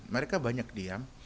mereka banyak diam